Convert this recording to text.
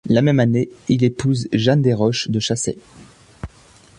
La même année, il épouse Jeanne des Roches de Chassey.